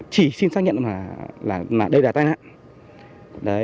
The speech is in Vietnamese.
chỉ xin xác nhận là đây là tai nạn